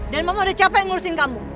dan mama udah capek ngurusin kamu